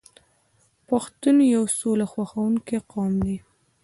پښتون یو سوله خوښوونکی قوم دی.